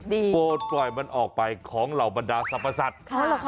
โปรดปล่อยมันออกไปของเหล่าบรรดาสรรพสัตว์